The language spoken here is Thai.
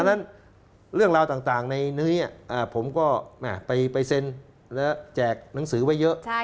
ดังนั้นเรื่องราวต่างในนี้ผมก็ไปเซ็นแล้วแจกหนังสือไว้เยอะนะครับ